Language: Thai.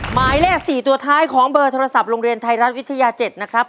หมายเลข๔ตัวท้ายของเบอร์โทรศัพท์โรงเรียนไทยรัฐวิทยา๗นะครับ